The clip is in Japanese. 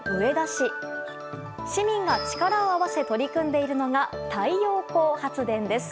市民が力を合わせ取り組んでいるのが太陽光発電です。